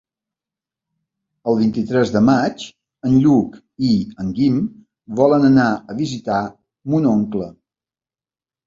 El vint-i-tres de maig en Lluc i en Guim volen anar a visitar mon oncle.